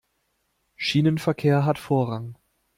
Schienenverkehr hat Vorrang.